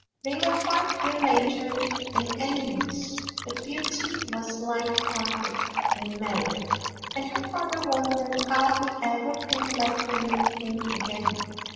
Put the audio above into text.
They were quite ill natured and envious, but Beauty was light hearted and merry, [ 86 ] BEAUTY AND THE BEAST and her father wondered how he ever could let her leave him again.